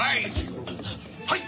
はい。